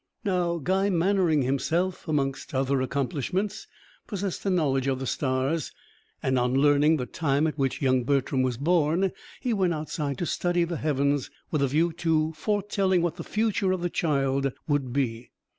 Now Guy Mannering himself, amongst other accomplishments, possessed a knowledge of the stars; and on learning the time at which young Bertram was born, he went outside to study the heavens, with a view to foretelling what the future of the child would be.